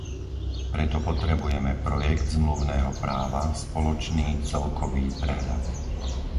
Preto potrebujeme projekt zmluvného práva, spoločný celkový prehľad.